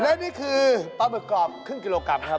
และนี่คือปลาหมึกกรอบครึ่งกิโลกรัมครับ